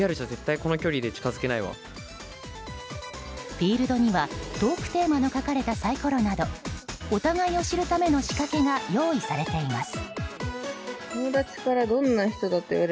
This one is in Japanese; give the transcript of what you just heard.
フィールドにはトークテーマの書かれたサイコロなどお互いを知るための仕掛けが用意されています。